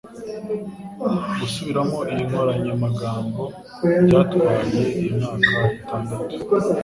Gusubiramo iyi nkoranyamagambo byatwaye imyaka itandatu.